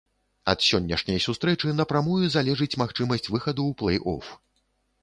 Ад сённяшняй сустрэчы напрамую залежыць магчымасць выхаду ў плэй-оф.